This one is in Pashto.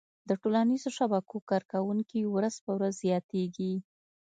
د ټولنیزو شبکو کارونکي ورځ په ورځ زياتيږي